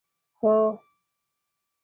هو.